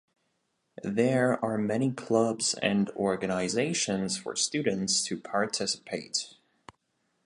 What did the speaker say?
There are many clubs and organizations for students to participate.